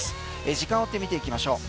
時間を追って見ていきましょう。